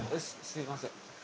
すいません。